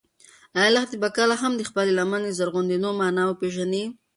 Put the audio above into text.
ایا لښتې به کله هم د خپلې لمنې د زرغونېدو مانا وپېژني؟